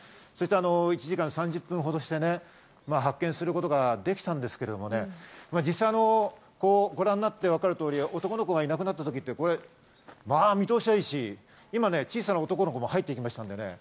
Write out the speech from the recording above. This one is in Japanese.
１時間３０分ほどして発見することができたんですけど、実際、ご覧になって分かる通り、男の子がいなくなったときって見通しはいいし、小さなの男の子も今入っていきました。